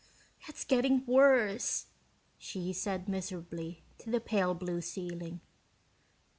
"It's getting worse," she said miserably to the pale blue ceiling.